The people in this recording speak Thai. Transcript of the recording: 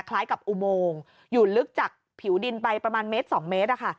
คล้ายกับอุโมงอยู่ลึกจากผิวดินไปประมาณเมตร๒เมตร